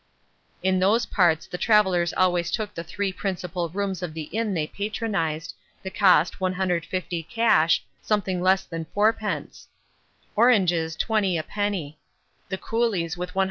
In those parts the travellers always took the three principal rooms of the inn they patronised, the cost 150 cash, something less than fourpence oranges 20 a penny the coolies with 100 lb.